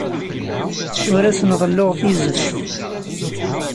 Ur asen-ḍelluɣ tizeft.